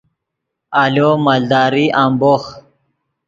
آلو مالداری امبوخ